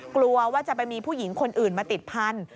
กลัวว่าจะไปมีผู้หญิงคนอื่นมาติดพันธุ